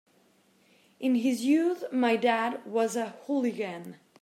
In his youth my dad was a hooligan.